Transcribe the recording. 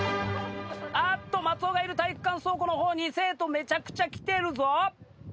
あっと松尾がいる体育館倉庫の方に生徒めちゃくちゃ来てるぞ！